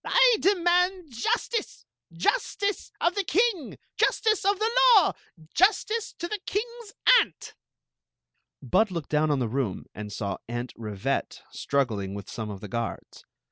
"I demand jostice ! Justice of the king! Ji^^e of tht law! Justice to the king's aunt." Bud looked down the room and saw Aunt Rivette struggling wt^ sme el the i^i^ii.